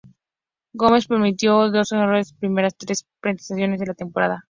Gómez permitió dos jonrones en sus primeras tres presentaciones de la temporada.